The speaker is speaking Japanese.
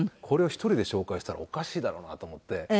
これを一人で紹介したらおかしいだろうなと思って。